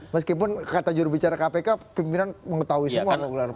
meskipun kata jurubicara kpk pimpinan mengetahui semua